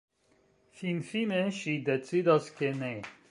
Finfine ŝi decidas, ke «Ne.